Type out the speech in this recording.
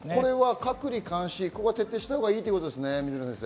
隔離、監視を徹底したほうがいいということですね。